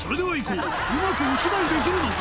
うまくお芝居できるのか？